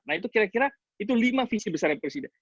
nah itu kira kira lima visi besar yang presiden